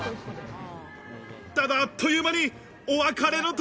ただ、あっという間に、お別れの時。